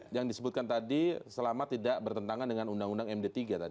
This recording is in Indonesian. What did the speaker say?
yang disebutkan tadi selama tidak bertentangan dengan undang undang md tiga tadi